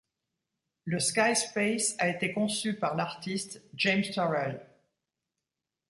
Le skyspace a été conçu par l'artiste James Turrell.